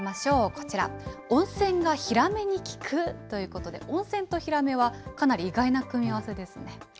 こちら、温泉がヒラメに効く？ということで、温泉とヒラメはかなり意外な組み合わせですね。